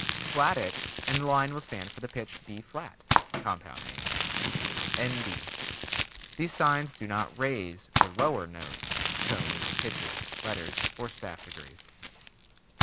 Flat it, and the line will stand for the pitch B flat. (Compound name.) N.B. These signs do not "raise" or "lower" notes, tones, pitches, letters or staff degrees.